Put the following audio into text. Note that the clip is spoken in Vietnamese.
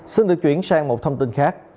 xin được chuyển sang một thông tin khác